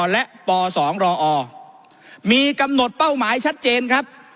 และป๒รอมีกำหนดเป้าหมายชัดเจนครับ